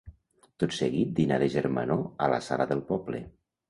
Tot seguit dinar de germanor a la sala del poble.